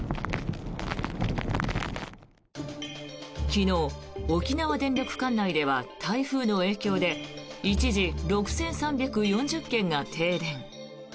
昨日、沖縄電力管内では台風の影響で一時、６３４０軒が停電。